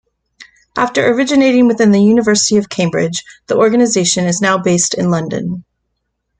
After originating within the University of Cambridge, the organisation is now based in London.